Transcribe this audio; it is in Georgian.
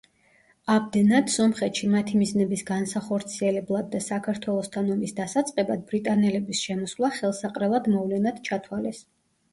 ამდენად სომხეთში მათი მიზნების განსახორციელებლად და საქართველოსთან ომის დასაწყებად ბრიტანელების შემოსვლა ხელსაყრელად მოვლენად ჩათვალეს.